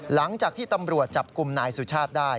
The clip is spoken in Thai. หลังจากที่ตำรวจจับกลุ่มนายสุชาติได้